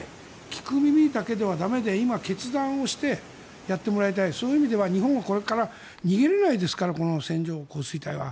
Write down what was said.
聞く耳だけでは駄目で今、決断をしてやってもらいたいそういう意味では日本はこれから逃げられないからこの線状降水帯は。